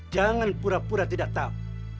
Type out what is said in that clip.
jangan pura pura tidak tahu